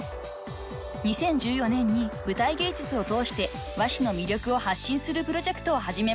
［２０１４年に舞台芸術を通して和紙の魅力を発信するプロジェクトを始めました］